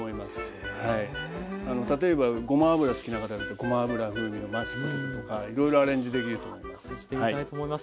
例えばごま油好きな方だとごま油風味のマッシュポテトとかいろいろアレンジできると思います。